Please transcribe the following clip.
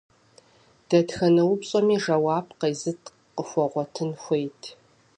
Дэтхэнэ упщӏэми жэуап къезэгъ къыхуэгъуэтын хуейт.